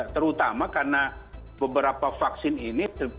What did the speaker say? terutama karena beberapa vaksin ini